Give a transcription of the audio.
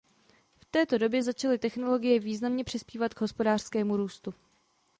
V této době začaly technologie významně přispívat k hospodářskému růstu.